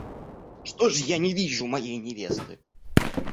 Что ж я не вижу моей невесты?